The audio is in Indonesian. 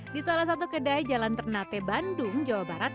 di salah satu kedai jalan ternate bandung jawa barat